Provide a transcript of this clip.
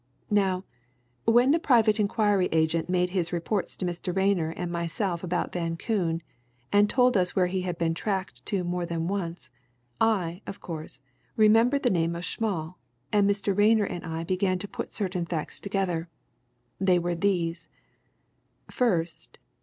"Now, when the private inquiry agent made his reports to Mr. Rayner and myself about Van Koon, and told us where he had been tracked to more than once, I, of course, remembered the name of Schmall, and Mr. Rayner and I began to put certain facts together. They were these: "_First.